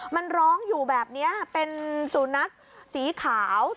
มันร้องอยู่แบบนี้เป็นสุนัขสีขาว